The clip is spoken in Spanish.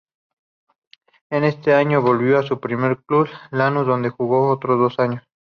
En ese año volvió a su primer club, Lanús, donde jugó otros dos años.